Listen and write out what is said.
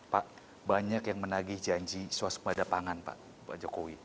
pak banyak yang menagih janji swasembada pangan pak jokowi